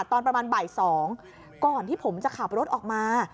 ตอนประมาณบ่าย๒ก่อนที่ผมจะขับรถออกมา